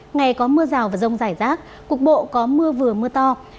ngày có mưa rào và rông rải rác cục bộ có mưa vừa mưa to